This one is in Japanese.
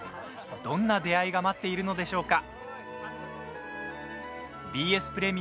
どんな出会いが待っているのでしょうか？